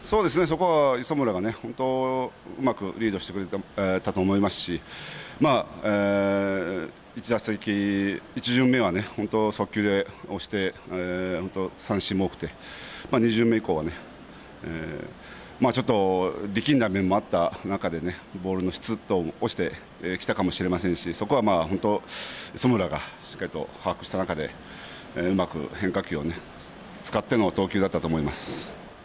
磯村がうまくリードしてくれてたと思いますし１打席、１巡目は本当に速球で押して三振も多くて、２巡目以降はちょっと力んだ面もあった中でボールの質など落ちてきたかもしれませんがそこは、本当、磯村がしっかりと把握した中でうまく変化球を使っての投球だったと思います。